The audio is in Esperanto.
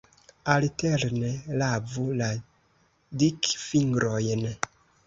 Alterne lavu la dikfingrojn.